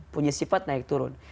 punya sifat naik turun